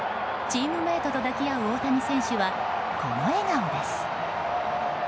チームメートと抱き合う大谷選手は、この笑顔です。